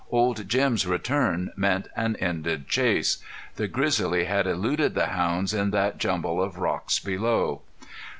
Old Jim's return meant an ended chase. The grizzly had eluded the hounds in that jumble of rocks below.